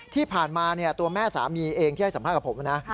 ที่ผ่านมาตัวแม่สามีเองที่ให้สัมภาษณ์กับผมนะ